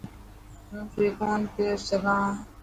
هون سوئي ڪونه پيو سگھان.